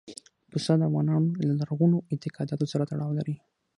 پسه د افغانانو له لرغونو اعتقاداتو سره تړاو لري.